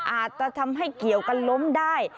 อาจจะทำให้เกี่ยวกันล้มได้